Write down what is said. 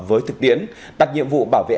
với thực tiễn tắt nhiệm vụ bảo vệ